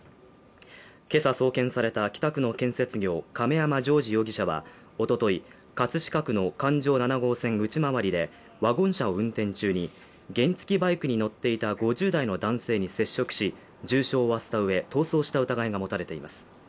けさ送検された北区の建設業・亀山譲治容疑者は、おととい葛飾区の環状７号線内回りで、ワゴン車を運転中に、原付バイクに乗っていた５０代の男性に接触し、重傷を負わせた上、逃走した疑いが持たれています。